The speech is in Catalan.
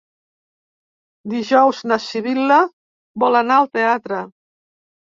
Dijous na Sibil·la vol anar al teatre.